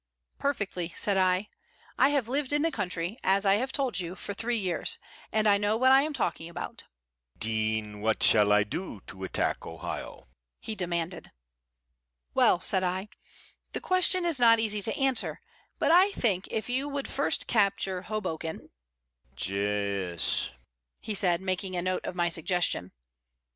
"Perfectly," said I. "I have lived in the country, as I have told you, for three years, and I know what I am talking about." "Then what shall I do to attack Ohio?" he demanded. "Well," said I, "the question is not easy to answer, but I think if you would first capture Hoboken " "Yes," he said, making a note of my suggestion.